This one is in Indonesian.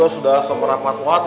pak ini sudah seberapa kuat